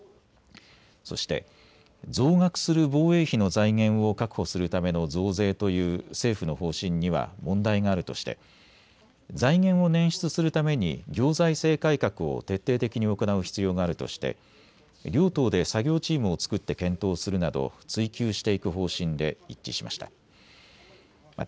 そして増額する防衛費の財源を確保するための増税という政府の方針には問題があるとして財源を捻出するために行財政改革を徹底的に行う必要があるとして両党で作業チームを作って検討するなど追及していく方針で一致しました。